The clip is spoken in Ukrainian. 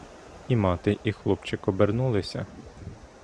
І мати, і хлопчик обернулися.